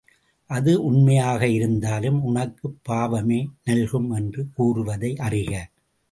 அது உண்மையாக இருந்தாலும் உனக்குப் பாவமே நல்கும் என்று கூறுவதை அறிக.